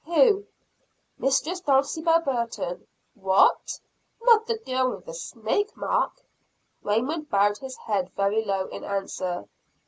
"Ah who?" "Mistress Dulcibel Burton." "What! not the girl with the snake mark?" Raymond bowed his head very low in answer.